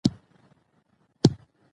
که ټولنه بې پروا وي، بحرانونه زیاتېږي.